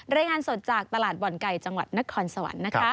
รายงานสดจากตลาดบ่อนไก่จังหวัดนครสวรรค์นะคะ